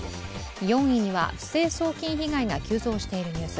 ４位には不正送金被害が急増しているニュース。